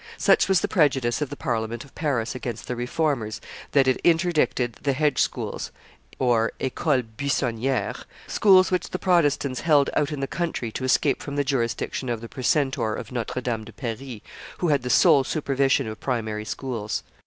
Such was the prejudice of the Parliament of Paris against the Reformers that it interdicted the hedge schools (ecoles buissonnieres), schools which the Protestants held out in the country to escape from the jurisdiction of the precentor of Notre Dame de Paris, who had the sole supervision of primary schools.